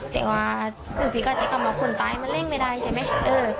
แต่ว่าคือพี่ก็ใช้คำว่าคนตายมันเร่งไม่ได้ใช่ไหม